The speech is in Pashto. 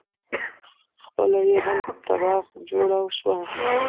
خپله یې هم تبعه جوړه شوه.